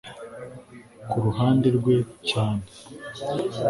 ku ruhande rwe cyane.